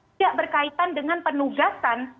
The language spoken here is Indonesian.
tidak berkaitan dengan penugasan